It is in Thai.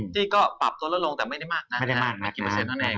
ที่ก็ปรับตัวลดลงแต่ไม่ได้มากนานนะครับไม่ได้มากนาน